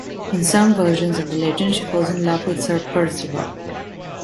In some versions of the legend, she falls in love with Sir Percival.